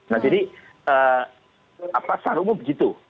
nah jadi sarungu begitu